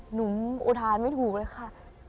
หนูอุทานไม่ถูกเลยค่ะ